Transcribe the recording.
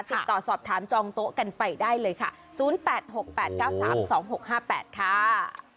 เศรษฐ์ตอบทานจองโต๊ะกันไปได้เลยค่ะศูนย์แปดหกแปดเก้าสามสองหกห้าแบบค้า